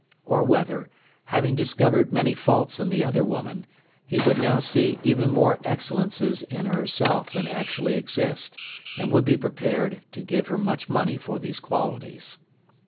Or, whether, having discovered many faults in the other woman, he would now see even more excellences in herself than actually exist, and would be prepared to give her much money for these qualities.